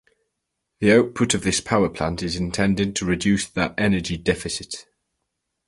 The output of this power plant is intended to reduce that energy deficit.